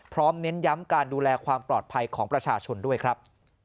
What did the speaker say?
เน้นย้ำการดูแลความปลอดภัยของประชาชนด้วยครับ